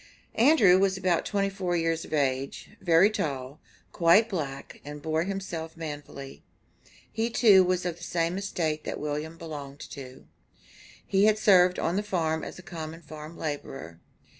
Andrew was about twenty four years of age, very tall, quite black, and bore himself manfully. He too was of the same estate that William belonged to. He had served on the farm as a common farm laborer.